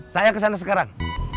saya kesana sekarang